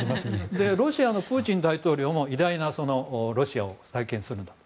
ロシアのプーチン大統領も偉大なロシアを再建すると。